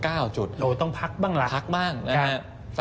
เราต้องพักบ้างละพักบ้างนะครับ